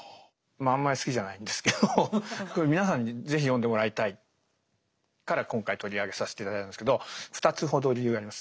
まああんまり好きじゃないんですけどこれ皆さんに是非読んでもらいたいから今回取り上げさせて頂いたんですけど２つほど理由があります。